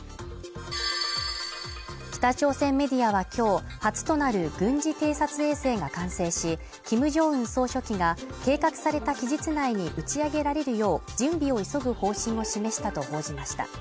北朝鮮メディアは今日初となる軍事偵察衛星が完成し、キム・ジョンウン総書記が計画された期日内に打ち上げられるよう準備を急ぐ方針を示したと報じました。